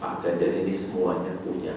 pak ganjar ini semuanya punya